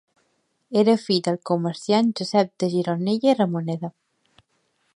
Era fill del comerciant Josep de Gironella i Ramoneda.